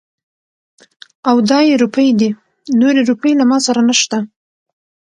او دا يې روپۍ دي. نورې روپۍ له ما سره نشته.